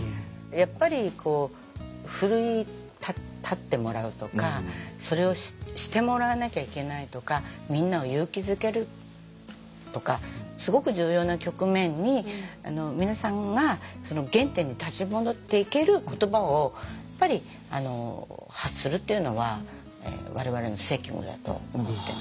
やっぱり奮い立ってもらうとかそれをしてもらわなきゃいけないとかみんなを勇気づけるとかすごく重要な局面に皆さんが原点に立ち戻っていける言葉を発するというのは我々の責務だと思っています。